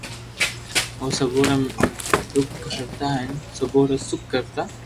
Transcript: او سبو را دک ھرتا ھين سبو را سک ڪرتا